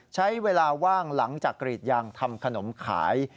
ใช้เวลาว่างหลังจากกรีดยางทำขนมขาย